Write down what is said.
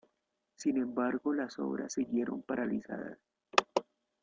Sin embargo las obras siguieron paralizadas.